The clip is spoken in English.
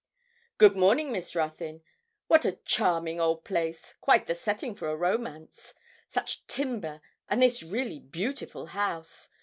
'Good morning, Miss Ruthyn. What a charming old place! quite the setting for a romance; such timber, and this really beautiful house.